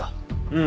うん。